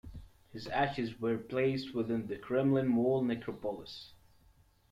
His ashes were placed within the Kremlin Wall Necropolis.